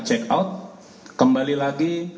check out kembali lagi